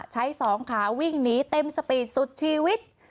สองขาวิ่งหนีเต็มสปีดสุดชีวิต